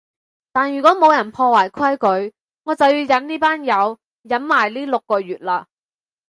但如果冇人破壞規矩，我就要忍呢班友忍埋呢六個月喇